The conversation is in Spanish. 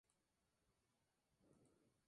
Su primer single es The Way That I Love You.